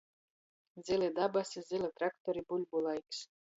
Zyli dabasi, zyli traktori. Buļbu laiks.